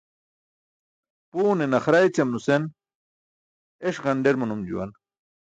Puune naxara ećam nusen eṣ ġanḍer manum juwan.